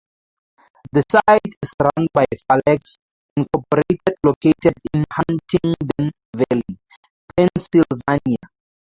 The site is run by Farlex, Incorporated located in Huntingdon Valley, Pennsylvania.